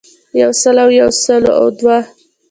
يو سل او يو يو سل او دوه